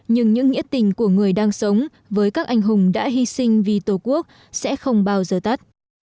nhưng những nghĩa tình của người đang sống với các anh hùng đã hy sinh vì tổ quốc sẽ không bao giờ tắt